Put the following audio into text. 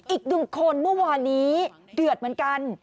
อีกหนึ่งคนเมื่อวานนี้เดือดเหมือนกัน